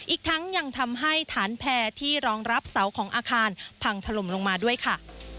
อีกทั้งยังทำให้ฐานแพร่ที่รองรับเสาของอาคารพังถล่มลงมาด้วยค่ะ